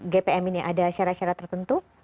gpm ini ada syarat syarat tertentu